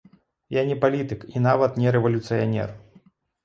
Я не палітык і нават не рэвалюцыянер.